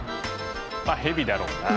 まっヘビだろうな。